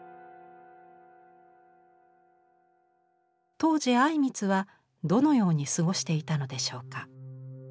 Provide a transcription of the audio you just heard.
当時靉光はどのように過ごしていたのでしょうか。